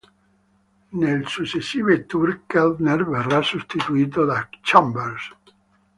Nei successivi tour, Keltner verrà sostituito da Chambers.